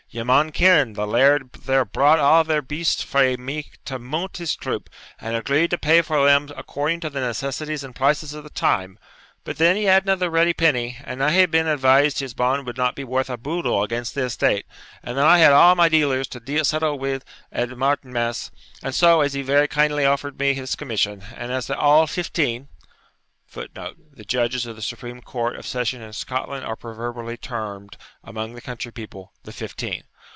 Ye maun ken, the laird there bought a' thir beasts frae me to munt his troop, and agreed to pay for them according to the necessities and prices of the time. But then he hadna the ready penny, and I hae been advised his bond will not be worth a boddle against the estate, and then I had a' my dealers to settle wi' at Martinmas; and so, as he very kindly offered me this commission, and as the auld Fifteen [Footnote: The Judges of the Supreme Court of Session in Scotland are proverbially termed among the country people, The Fifteen.